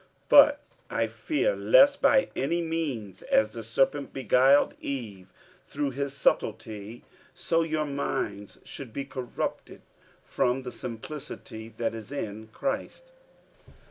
47:011:003 But I fear, lest by any means, as the serpent beguiled Eve through his subtilty, so your minds should be corrupted from the simplicity that is in Christ.